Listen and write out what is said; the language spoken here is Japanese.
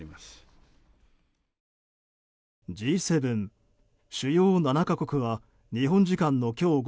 Ｇ７・主要７か国は日本時間の今日